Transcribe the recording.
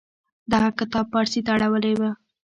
دغه کتاب پارسي ته اړولې و.